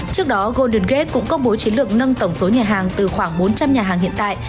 trước đó golden gate cũng công bố chiến lược nâng tổng số nhà hàng từ khoảng bốn trăm linh nhà hàng hiện tại